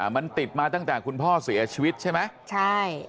มันติดมาตั้งแต่คุณพ่อเสียชีวิตใช่ไหมใช่